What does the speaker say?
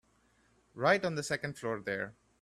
Right on the second floor there.